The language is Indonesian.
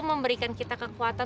memberikan kita kekuatan